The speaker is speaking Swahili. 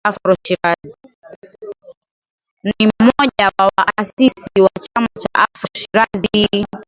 Ni mmoja wa waasisi wa Chama cha Afro Shirazi